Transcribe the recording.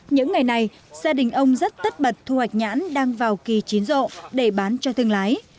những ngày này gia đình ông rất tất bật thu hoạch nhãn đang vào kỳ chín rộ để bán cho thương lái